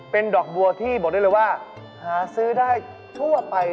เป็นดอกบัวที่บอกได้เลยว่าหาซื้อได้ทั่วไป